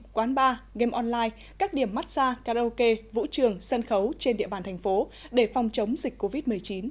quán bar game online các điểm massage karaoke vũ trường sân khấu trên địa bàn thành phố để phòng chống dịch covid một mươi chín